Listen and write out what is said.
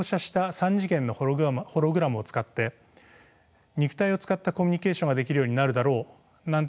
３次元のホログラムを使って肉体を使ったコミュニケーションができるようになるだろうなんて